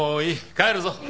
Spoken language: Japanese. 帰るぞ。